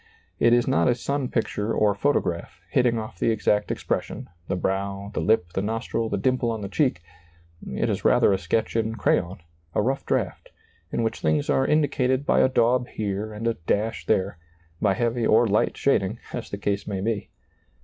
It is not a sun picture or photograph, hitting off the exact expression, the brow, the lip, the nostril, the dimple on the cheek ; it is rather a sketch in crayon, a rough draft, in which things are indi cated by a daub here and a dash there ; by heavy or light shading as the case may be.